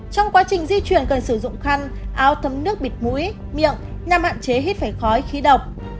trong quá trình di chuyển cần sử dụng khăn áo thấm nước bịt mũi miệng nhằm hạn chế hít phải khói khí độc